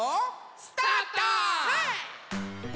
スタート！